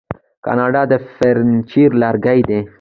کاناډا د فرنیچر لرګي لري.